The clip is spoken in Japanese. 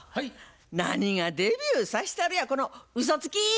何がデビューさしたるやこのうそつき！